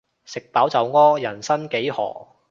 食飽就屙，人生幾何